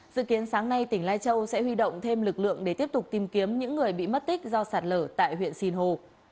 dự kiến sáng nay tỉnh lai châu sẽ huy động thêm lực lượng để tiếp tục tìm kiếm những người bị mất tích do sạt lở tại huyện sinh hồ